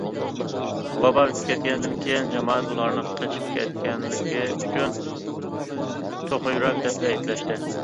ۋابا ئۆتۈپ كەتكەندىن كېيىن جامائەت ئۇلارنى قېچىپ كەتكەنلىكى ئۈچۈن توخۇ يۈرەك دەپ ئەيىبلەشتى.